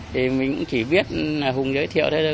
thì mình cũng chỉ biết hùng giới thiệu thôi